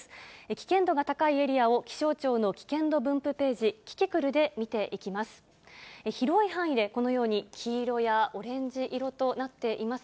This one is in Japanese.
危険度が高いエリアを、気象庁の危険度分布ページ、キキクルで見ていきます。